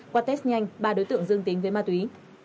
qua test nhanh ba đối tượng dương tính với ma túy